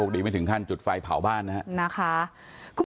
ดีไม่ถึงขั้นจุดไฟเผาบ้านนะครับ